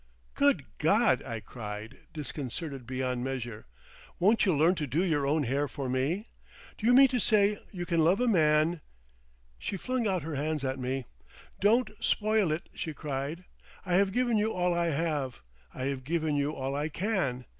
"Good God!" I cried, disconcerted beyond measure, "won't you learn to do your own hair for me? Do you mean to say you can love a man—" She flung out her hands at me. "Don't spoil it," she cried. "I have given you all I have, I have given you all I can.